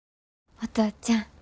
お父ちゃん。